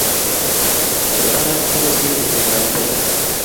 Kiwo barak ak kosir kursetab telel